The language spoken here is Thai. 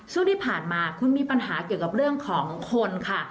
ช่วงที่ผ่านมาคุณมีปัญหาเกี่ยวกับเรื่องของคนค่ะ